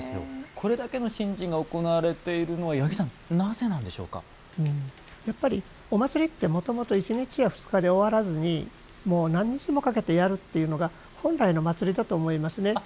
これだけの神事が行われているのはやっぱり、お祭りってもともと１日や２日では終わらずに何日もかけてやるというのが本来の祭りだと思いますね。